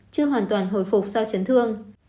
chưa hoàn toàn hồi phục sau chấn thương